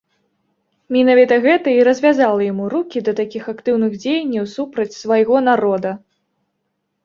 Менавіта гэта і развязала яму рукі да такіх актыўных дзеянняў супраць свайго народа.